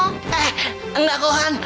eh enggak kohan